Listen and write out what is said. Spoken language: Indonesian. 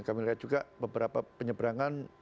dan lihat juga beberapa penyebrangan